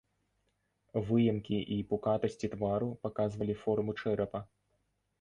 Выемкі і пукатасці твару паказвалі формы чэрапа.